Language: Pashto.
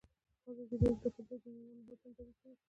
ازادي راډیو د کلتور د نړیوالو نهادونو دریځ شریک کړی.